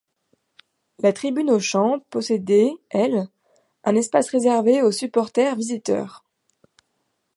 La tribune Auchan possédait, elle, un espace réservé aux supporters visiteurs.